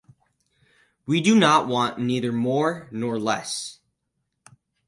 We do not want neither more nor less.